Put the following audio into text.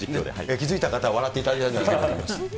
気付いた方は笑っていただきたいと思います。